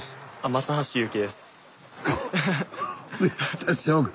松橋優希です。